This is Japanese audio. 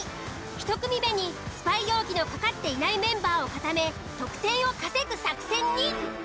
１組目にスパイ容疑のかかっていないメンバーを固め得点を稼ぐ作戦に。